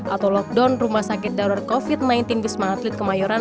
atau lockdown rumah sakit darurat covid sembilan belas wisma atlet kemayoran